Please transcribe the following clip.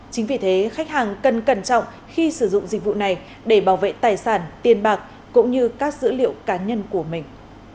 chính vì thế khách hàng cần cẩn trọng khi sử dụng dịch vụ này để bảo vệ tài sản tiền bạc cũng như các dữ liệu cá nhân của mình